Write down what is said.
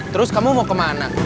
terus kamu mau kemana